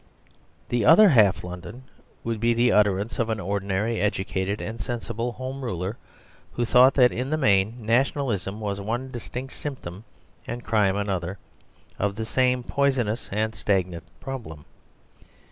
The "Otherhalf London" would be the utterance of an ordinary educated and sensible Home Ruler, who thought that in the main Nationalism was one distinct symptom, and crime another, of the same poisonous and stagnant problem.